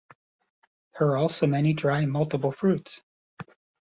There are also many dry multiple fruits.